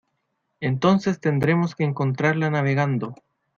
entonces tendremos que encontrarla navegando.